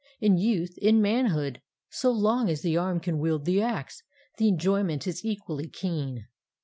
In youth, in manhood, so long as the arm can wield the axe, the enjoyment is equally keen.